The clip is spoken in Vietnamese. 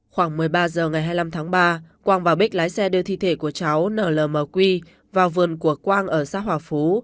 khoảng một mươi ba h ngày hai mươi năm tháng ba quang và bích lái xe đưa thi thể của cháu n l m quy vào vườn của quang ở xã hòa phú